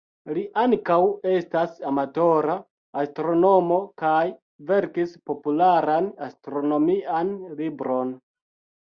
Li ankaŭ estas amatora astronomo kaj verkis popularan astronomian libron.